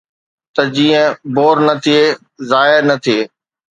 ته جيئن بور نه ٿئي، ضايع نه ٿئي.